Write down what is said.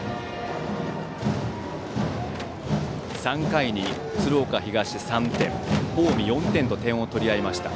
３回に鶴岡東、３点近江、４点と点を取り合いました。